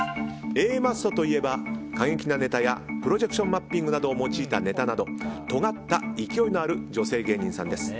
Ａマッソといえば過激なネタやプロジェクションマッピングなどを用いたネタなどとがった勢いのある女性芸人さんです。